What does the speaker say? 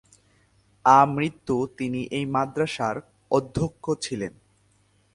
আমৃত্যু তিনি এই মাদ্রাসার অধ্যক্ষ ছিলেন।